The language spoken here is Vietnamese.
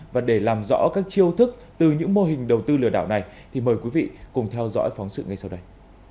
và để làm rõ các chiêu thức từ những mô hình đầu tư lừa đảo này thì mời quý vị cùng theo dõi phóng sự ngay sau đây